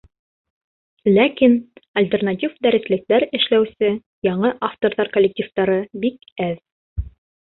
Ләкин альтернатив дәреслектәр эшләүсе яңы авторҙар коллективтары бик әҙ.